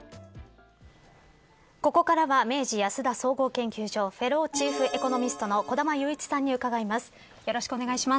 ここからは明治安田総合研究所フェローチーフエコノミストの小玉祐一さんに伺います。